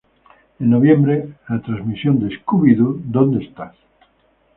En noviembre, la transmisión de "¿Scooby-Doo dónde estás?